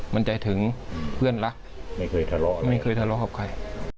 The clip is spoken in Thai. มันจะถึงเพื่อนรักไม่เคยทะเลาะกับใคร